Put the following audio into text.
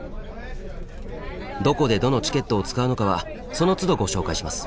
どこでどのチケットを使うのかはそのつどご紹介します。